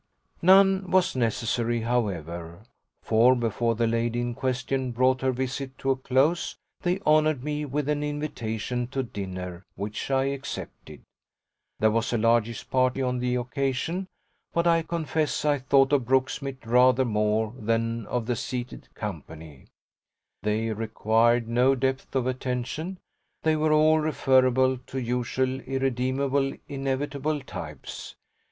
None was necessary, however, for before the lady in question brought her visit to a close they honoured me with an invitation to dinner, which I accepted. There was a largeish party on the occasion, but I confess I thought of Brooksmith rather more than of the seated company. They required no depth of attention they were all referable to usual irredeemable inevitable types.